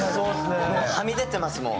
はみ出てますもん。